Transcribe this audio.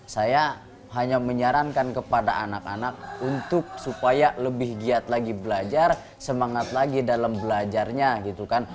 saya hanya menyarankan kepada anak anak untuk supaya lebih giat lagi belajar semangat lagi dalam belajarnya gitu kan